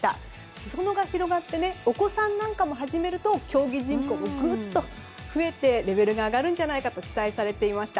すそ野が広がってお子さんも始めると競技人口もグッと増えてレベルが上がるんじゃないかと期待されています。